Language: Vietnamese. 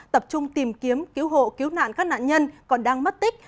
tập trung tìm kiếm cứu hộ cứu nạn các nạn nhân còn đang mất tích